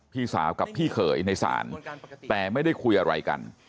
พี่สาวกับพี่เขยในศาลแต่ไม่ได้คุยอะไรกัน